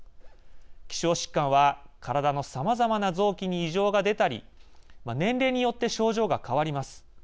希少疾患は体のさまざまな臓器に異常が出たり年齢によって症状が変わります。